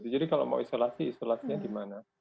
jadi kalau mau isolasi isolasinya di mana